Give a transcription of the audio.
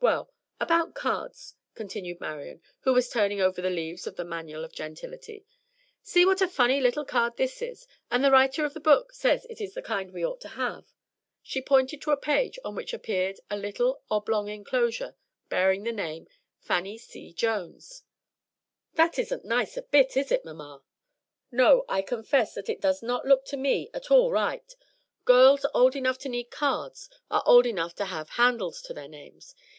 "Well, about cards," continued Marian, who was turning over the leaves of the "Manual of Gentility." "See what a funny little card this is; and the writer of the book says it is the kind we ought to have." She pointed to a page on which appeared a little oblong enclosure bearing the name ++||| Fannie C. Jones. |||++ "That isn't nice a bit, is it, mamma?" "No, I confess that it does not look to me at all right. Girls old enough to need cards are old enough to have 'handles to their names.'